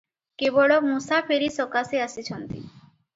କେବଳ ମୂସାଫେରି ସକାଶେ ଆସିଛନ୍ତି ।